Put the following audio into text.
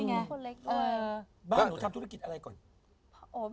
บ้างหนูทำธุรกิจอะไรก่อน